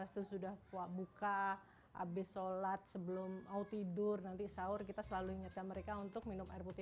sesudah buka habis sholat sebelum mau tidur nanti sahur kita selalu ingatkan mereka untuk minum air putih